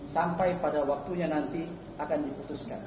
sampai pada waktunya nanti akan diputuskan